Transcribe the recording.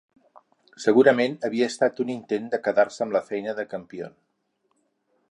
Segurament havia estat un intent de quedar-se amb la feina de Campion.